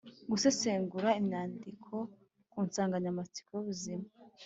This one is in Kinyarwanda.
Gusesengura imyandiko ku nsanganyamatsiko y’ubuzima.